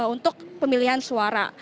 untuk pemilihan suara